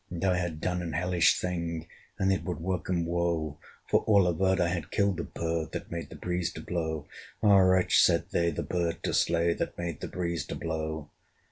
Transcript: And I had done an hellish thing, And it would work 'em woe: For all averred, I had killed the bird That made the breeze to blow. Ah wretch! said they, the bird to slay That made the breeze to blow!